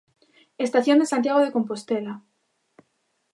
Estación de Santiago de Compostela.